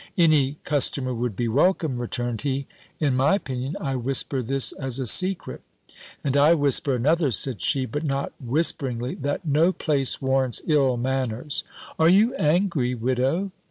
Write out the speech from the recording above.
"Any customer would be welcome," returned he, "in my opinion. I whisper this as a secret." "And I whisper another," said she, but not whisperingly, "that no place warrants ill manners." "Are you angry, Widow?"